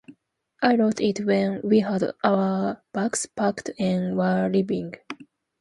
I wrote it when we had our bags packed and were leaving.